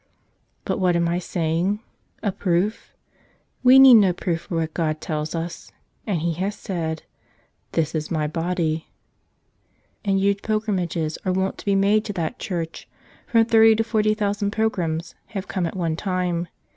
But what am I saying? A proof? We need no proof for what God tells us ; and He has said, "This is My Body." And huge pilgrimages are wont to be made to that church; from thirty to forty thousand pilgrims have come at one time.